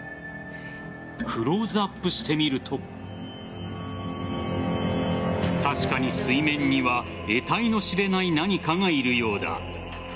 クローズアップしてみると確かに水面には得体の知れない何かがいるようだ。